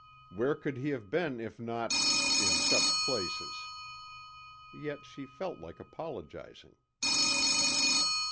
Where could he have been if not in such places? Yet she felt like apologizing.